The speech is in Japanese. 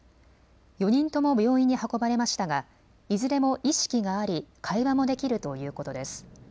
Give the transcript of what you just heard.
４人とも病院に運ばれましたがいずれも意識があり会話もできるということです。